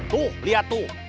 tuh liat tuh